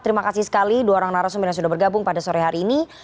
terima kasih sekali dua orang narasumber yang sudah bergabung pada sore hari ini